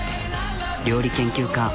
料理研究家